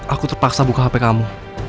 aku terpaksa buka hp kamu